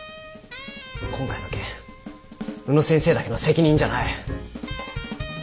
今回の件宇野先生だけの責任じゃない。